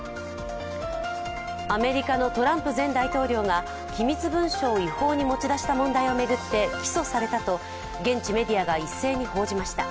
アメリカのトランプ前大統領が機密文書を違法に持ち出した問題を巡って起訴されたと、現地メディアが一斉に報じました。